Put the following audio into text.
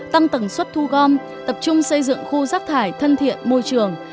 tăng tầng suất thu gom tập trung xây dựng khu rác thải thân thiện môi trường